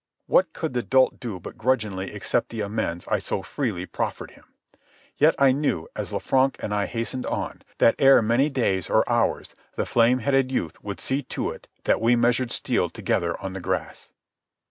What could the dolt do but grudgingly accept the amends I so freely proffered him? Yet I knew, as Lanfranc and I hastened on, that ere many days, or hours, the flame headed youth would see to it that we measured steel together on the grass.